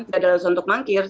tidak ada alasan untuk mangkir